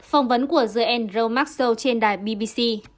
phỏng vấn của the andrew maxwell trên đài bbc